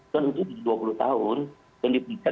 dan itu dua puluh tahun dan dipindah